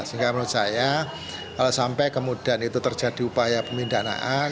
sehingga menurut saya kalau sampai kemudian itu terjadi upaya pemindanaan